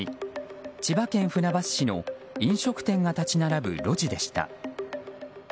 千葉県船橋市の飲食店が立ち並ぶ路地でした。